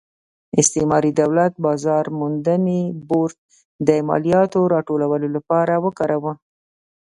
استعماري دولت بازار موندنې بورډ د مالیاتو راټولولو لپاره وکاراوه.